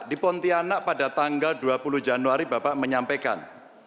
di pontianak pada tanggal dua puluh januari bapak menyampaikan